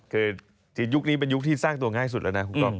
คือยุคนี้เป็นยุคที่สร้างตัวง่ายสุดแล้วนะคุณกล้อง